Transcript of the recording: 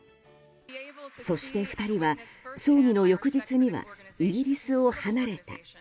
そして２人は、葬儀の翌日にはイギリスを離れた。